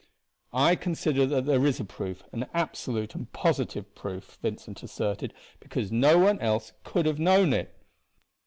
"I consider that there is a proof an absolute and positive proof," Vincent asserted, "because no one else could have known it."